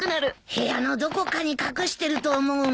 部屋のどこかに隠してると思うんだ。